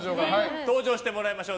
登場してもらいましょう。